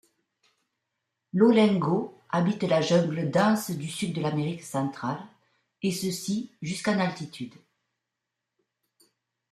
L'olingo habite la jungle dense du Sud de l'Amérique centrale, et ceci jusqu'à d'altitude.